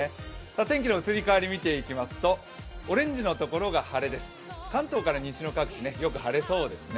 天気の移り変わりを見ていきますと、オレンジのところが晴れです関東から西の各地よく晴れそうですね。